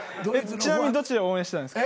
ちなみにどちらを応援してたんですか？